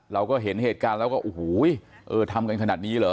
เราก็เห็นเหตุการณ์แล้วก็โอ้โหเออทำกันขนาดนี้เหรอ